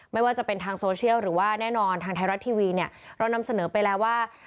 ไม่ว่าจะเป็นทางโซเชียลหรือว่าแน่นอนทางไทยรัฐทีวีเนี่ยเรานำเสนอไปแล้วว่า